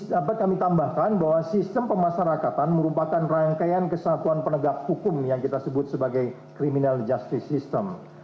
dapat kami tambahkan bahwa sistem pemasarakatan merupakan rangkaian kesatuan penegak hukum yang kita sebut sebagai criminal justice system